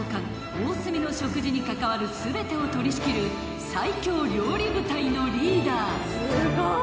おおすみの食事に関わる全てを取り仕切る最強料理部隊のリーダー］